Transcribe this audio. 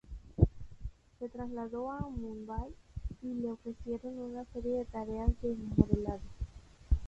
Se trasladó a Mumbai, y le ofrecieron una serie de tareas de modelado.